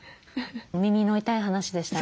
耳の痛い話でしたね。